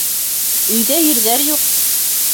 Өйҙә ирҙәр юҡ!